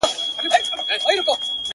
په تا هيـــــڅ خــــبر نـــه يــــم.